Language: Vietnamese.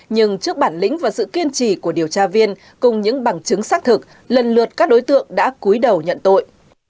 nhưng trước bản lĩnh và sự kiên trì của điều tra viên cùng những bằng chứng xác thực lần lượt các đối tượng đã cuối đầu nhận tội